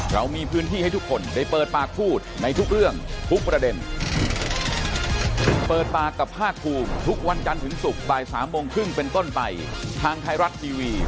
วันนี้หมดเวลาของเปิดปากกับภาคภูมินะครับ